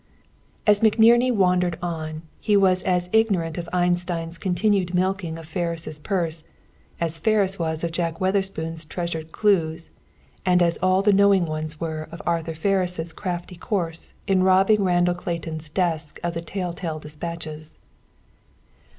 As McNerney wandered on, he was as ignorant of Einstein's continued milking of Ferris' purse, as Ferris was of Jack Witherspoon's treasured clues and as all the knowing ones were of Arthur Ferris' crafty course in robbing Randall Clayton's desk of the tell tale dispatches.